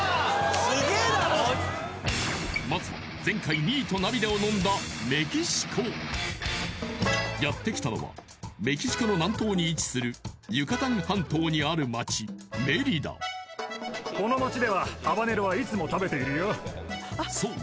すげえなまずは前回２位と涙をのんだメキシコやってきたのはメキシコの南東に位置するユカタン半島にある街メリダそう